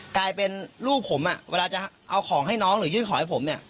กลายเป็นลูกผมเวลาจะเอาของให้น้องหรือยื่นของให้ผมเนี่ย